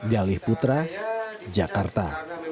galih putra jakarta